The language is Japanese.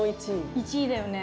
１位だよね。